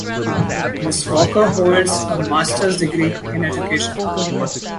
Ms. Walker holds a master's degree in education.